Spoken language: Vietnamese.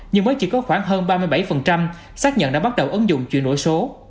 nhưng mới chỉ có khoảng hơn ba mươi bảy xác nhận đã bắt đầu ứng dụng chuyển đổi số